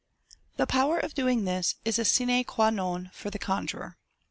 — The power of doing this is a sine qua non for the conjuror.